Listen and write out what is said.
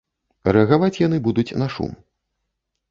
Рэагаваць яны будуць на шум.